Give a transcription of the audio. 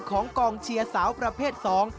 ของกองเชียร์สาวประเภทสอง